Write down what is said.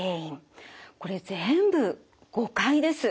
これ全部誤解です。